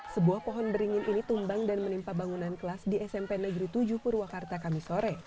sebuah pohon beringin ini tumbang dan menimpa bangunan kelas di smp negeri tujuh purwakarta kami sore